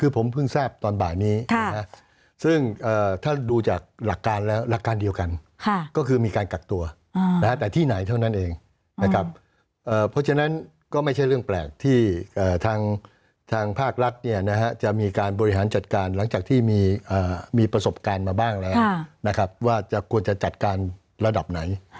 เพราะฉะนั้นก็ไม่ใช่เรื่องแปลกที่ทางภาครักษ์จะมีการบริหารจัดการหลังจากที่มีประสบการณ์มาบ้างแล้วนะครับว่าจะควรจะจัดการระดับไหน